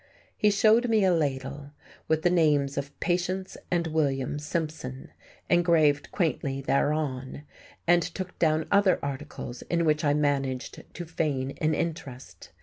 He showed me a ladle, with the names of "Patience and William Simpson" engraved quaintly thereon, and took down other articles in which I managed to feign an interest.